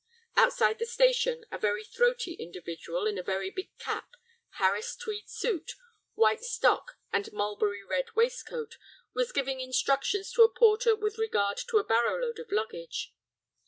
Outside the station a very throaty individual in a very big cap, Harris tweed suit, white stock, and mulberry red waistcoat, was giving instructions to a porter with regard to a barrow load of luggage.